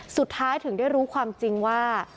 สุดท้ายถึงได้รู้ความจริงว่า